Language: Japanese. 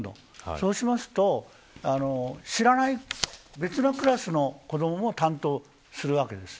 そうすると知らない別のクラスの子どもも担当するわけです。